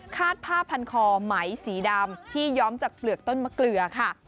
คาดผ้าพันคอไหมสีดำที่ย้อมจากเปลือกต้นมะเกลือค่ะ